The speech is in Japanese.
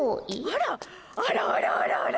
あらあらあらあら！！